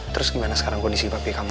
terus gimana sekarang kondisi bapak kamu